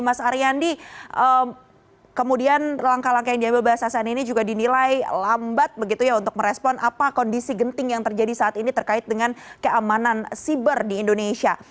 mas ariandi kemudian langkah langkah yang diambil bssn ini juga dinilai lambat begitu ya untuk merespon apa kondisi genting yang terjadi saat ini terkait dengan keamanan siber di indonesia